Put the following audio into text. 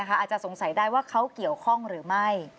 อาจจะสงสัยได้ว่าเขาเกี่ยวข้องหรือไม่